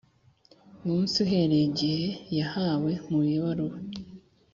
munsi uhereye igihe yahawe mu ibaruwa